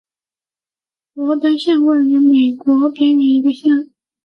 博登县位美国德克萨斯州埃斯塔卡多平原边缘的一个县。